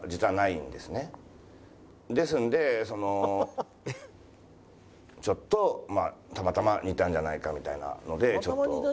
ですのでそのちょっとまあたまたま似たんじゃないかみたいなのでちょっと。